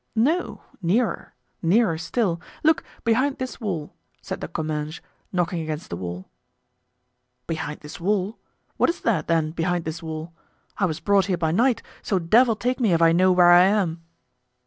"No; nearer, nearer still. Look, behind this wall," said De Comminges, knocking against the wall. "Behind this wall? What is there, then, behind this wall? I was brought here by night, so devil take me if I know where I am."